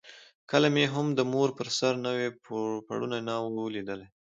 کله مې هم د مور پر سر نوی پوړونی نه وو لیدلی.